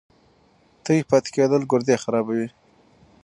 تږی پاتې کېدل ګردې خرابوي.